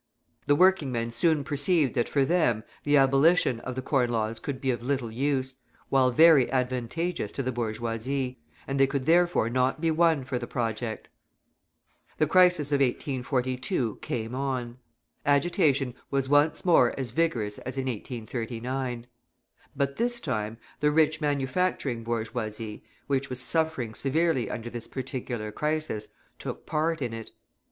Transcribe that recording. The working men soon perceived that for them the abolition of the Corn Laws could be of little use, while very advantageous to the bourgeoisie; and they could therefore not be won for the project. The crisis of 1842 came on. Agitation was once more as vigorous as in 1839. But this time the rich manufacturing bourgeoisie, which was suffering severely under this particular crisis, took part in it.